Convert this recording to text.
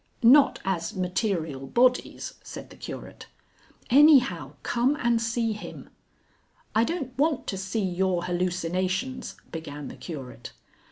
"Not as material bodies," said the Curate. "Anyhow, come and see him." "I don't want to see your hallucinations," began the Curate.